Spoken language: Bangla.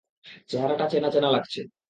চেহারাটা চেনা চেনা লাগছে।